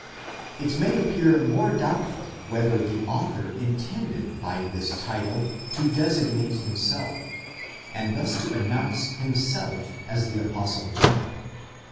It may appear more doubtful whether the author intended by this title to. designate himself, and thus to announce himself as the Apostle John.